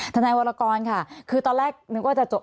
ทนายวรกรค่ะคือตอนแรกนึกว่าจะจบ